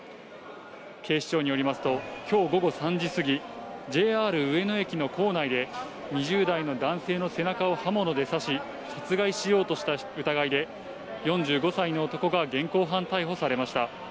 警視庁によりますと、きょう午後３時過ぎ、ＪＲ上野駅の構内で、２０代の男性の背中を刃物で刺し、殺害しようとした疑いで、４５歳の男が現行犯逮捕されました。